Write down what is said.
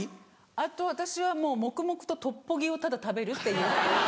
あと私はもう黙々とトッポギをただ食べるっていう。